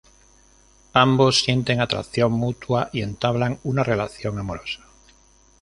Ambos sienten atracción mutua, y entablan una relación amorosa.